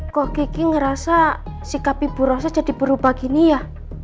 kok kiki ngerasa sikap ibu rosa jadi berubah gini ya